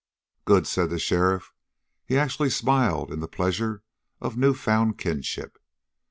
"Good!" said the sheriff. He actually smiled in the pleasure of newfound kinship.